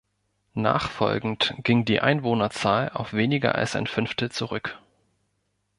Nachfolgend ging die Einwohnerzahl auf weniger als ein Fünftel zurück.